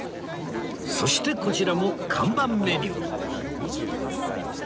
そしてこちらも看板メニューお待たせ致しました。